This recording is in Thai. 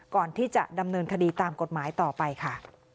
ก่อนที่จะดำเนินคดีตามกฎหมายต่อไปค่ะ